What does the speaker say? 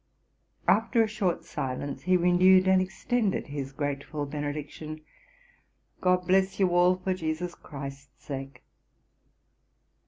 After a short silence, he renewed and extended his grateful benediction, 'GOD bless you all, for JESUS CHRIST'S sake.'